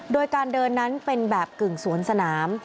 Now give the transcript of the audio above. โดยการเดินนั้นเป็นแบบกึ่งสวนสนาม